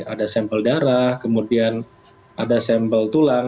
ada sampel darah kemudian ada sampel tulang